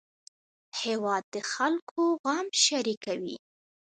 هېواد د خلکو غم شریکوي